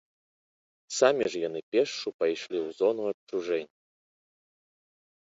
Самі ж яны пешшу пайшлі ў зону адчужэння.